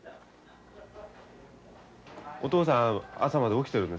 お父さん朝まで起きてるんですか？